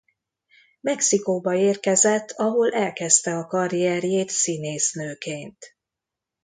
Mexikóba érkezett ahol elkezdte a karrierjét színésznőként.